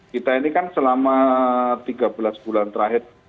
kita ini kan selama tiga belas bulan terakhir